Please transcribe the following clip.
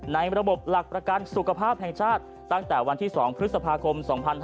ในระบบหลักประกันสุขภาพแห่งชาติตั้งแต่วันที่๒พฤษภาคม๒๕๕๙